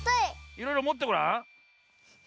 いろいろもってごらん。